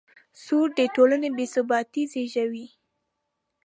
سود د ټولنې بېثباتي زېږوي.